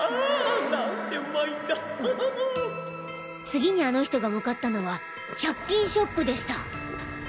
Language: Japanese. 次にあの人が向かったのは百均ショップでした。